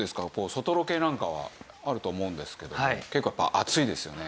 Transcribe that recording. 外ロケなんかはあると思うんですけども結構やっぱ暑いですよね。